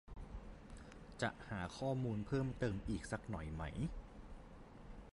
จะหาข้อมูลเพิ่มเติมอีกสักหน่อยไหม